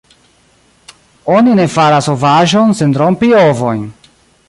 Oni ne faras ovaĵon sen rompi ovojn!